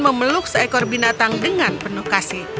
memeluk seekor binatang dengan penuh kasih